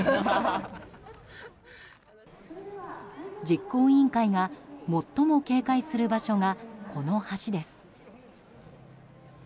実行委員会が最も警戒する場所がこの橋です。